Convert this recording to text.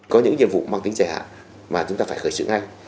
có những nhiệm vụ mang tính trẻ hạ mà chúng ta phải khởi sự ngay